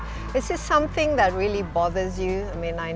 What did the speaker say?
apakah ini sesuatu yang membuat anda tertarik